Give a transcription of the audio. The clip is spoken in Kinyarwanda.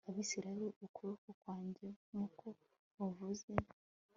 abisirayeli ukuboko kwanjye nk uko wavuze